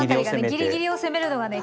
ギリギリを攻めるのがね